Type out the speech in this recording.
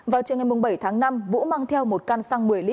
vào trường ngày bảy tháng năm vũ mang theo một căn xăng một mươi lít